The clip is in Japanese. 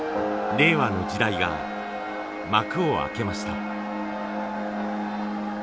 令和の時代が幕を開けました。